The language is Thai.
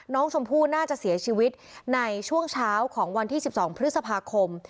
น้องชมพู่น่าจะเสียชีวิตในช่วงเช้าของวันที่๑๒พฤษภาคม